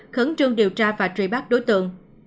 khấn trương điều tra và truy bắt đối tượng